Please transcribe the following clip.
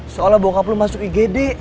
soalnya bokap lo masuk igd